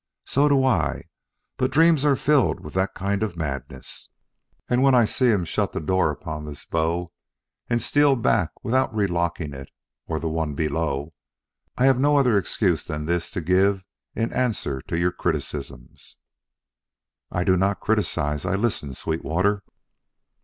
So do I, but dreams are filled with that kind of madness; and when I see him shut the door upon this bow, and steal back without relocking it or the one below, I have no other excuse than this to give in answer to your criticisms." "I do not criticise; I listen, Sweetwater."